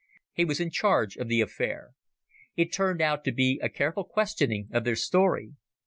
He was in charge of the affair. It turned out to be a careful questioning of their story.